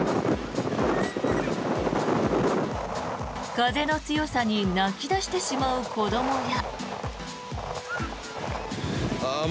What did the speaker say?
風の強さに泣き出してしまう子どもや。